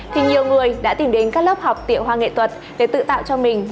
thì nhiều người đã tìm đến các lớp học tiểu hoa nghệ thuật để tự tạo cho mình